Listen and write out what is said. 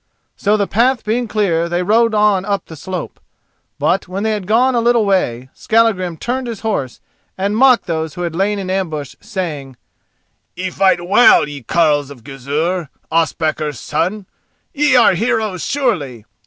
So the path being clear they rode on up the slope. But when they had gone a little way, Skallagrim turned his horse, and mocked those who had lain in ambush, saying: "Ye fight well, ye carles of Gizur, Ospakar's son! Ye are heroes, surely!